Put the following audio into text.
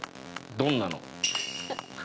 どんなの？」